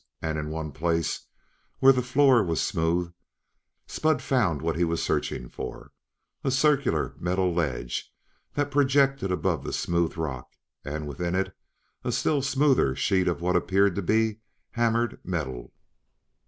And, in one place, where the floor was smooth, Spud found what he was searching for: a circular, metal ledge that projected above the smooth rock; and, within it, a still smoother sheet of what appeared to be hammered metal.